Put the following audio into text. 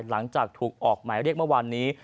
หลังจากถูกออกหมายเรียกเมื่อวานนี้